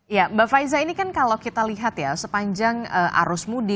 ya mbak faiza ini kan kalau kita lihat ya sepanjang arus mudik